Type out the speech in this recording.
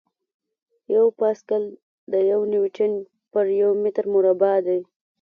یو پاسکل د یو نیوټن پر یو متر مربع دی.